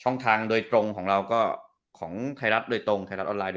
จริงด้วยช่องทางของเราคือของไทรัตรโดยตรง๑จากไทรัตออนไลน์